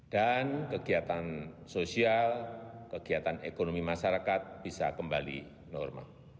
dan kegiatan sosial kegiatan ekonomi masyarakat bisa kembali normal